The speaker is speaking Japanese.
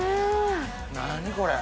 何これ？